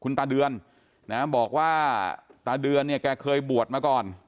ตาเดือนนะบอกว่าตาเดือนเนี่ยแกเคยบวชมาก่อน